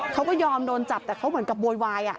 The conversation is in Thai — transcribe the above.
เขาก็ยอมโดนจับแต่เขาเหมือนกับโวยวาย